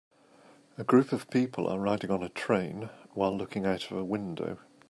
A group of people are riding on a train while looking out of a window.